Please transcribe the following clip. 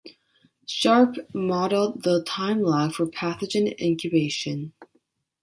Sharpe, modeled the time lag for pathogen incubation.